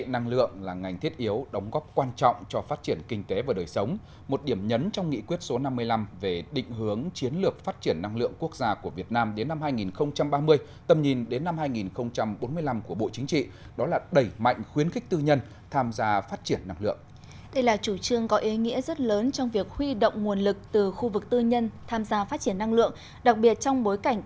năng lượng là ngành thiết yếu đóng góp quan trọng cho phát triển kinh tế và đời sống một điểm nhấn trong nghị quyết số năm mươi năm về định hướng chiến lược phát triển năng lượng quốc gia của việt nam đến năm hai nghìn ba mươi tầm nhìn đến năm hai nghìn bốn mươi năm của bộ chính trị đó là đẩy mạnh khuyến khích tư nhân tham gia phát triển năng lượng